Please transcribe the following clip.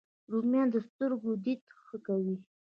رومیان د سترګو دید ښه کوي